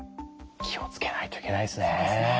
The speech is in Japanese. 気を付けないといけないですね。